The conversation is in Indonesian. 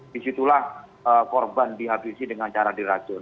disitulah korban dihabisi dengan cara diracun